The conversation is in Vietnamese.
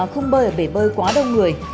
không bơi ở bể bơi quá đông người